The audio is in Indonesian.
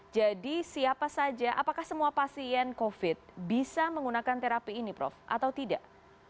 jadi siapa saja apakah semua pasien covid bisa menggunakan terapi ini prof atau tidak